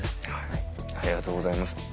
ありがとうございます。